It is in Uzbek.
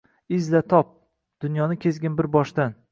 Izla top, dunyoni kezgin bir boshdan